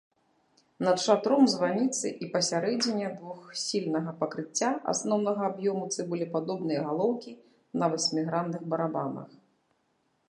Над шатром званіцы і пасярэдзіне двухсхільнага пакрыцця асноўнага аб'ёму цыбулепадобныя галоўкі на васьмігранных барабанах.